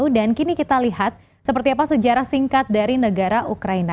dan kini kita lihat seperti apa sejarah singkat dari negara ukraina